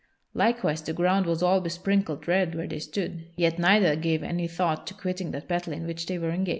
Likewise the ground was all besprinkled red where they stood, yet neither gave any thought to quitting that battle in which they were engaged.